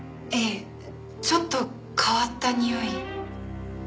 ええちょっと変わったにおい。